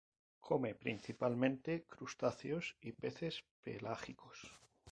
Come principalmente crustáceos y peces pelágicos.